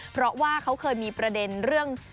เพราะว่าเขาเคยมีประเด็นเรื่อง